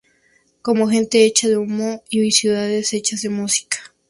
Con gente hecha de humo, y ciudades hechas de música.